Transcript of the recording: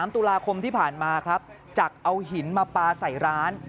ตุลาคมที่ผ่านมาครับจักรเอาหินมาปลาใส่ร้าน